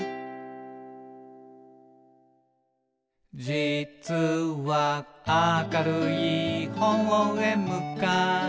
「じつは、明るい方へ向かって」